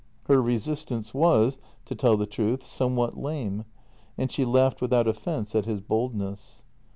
Her resistance was, to tell the truth, somewhat lame, and she laughed without of fence at his boldness.